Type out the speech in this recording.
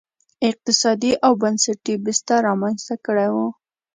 اقتصادي او بنسټي بستر رامنځته کړی و.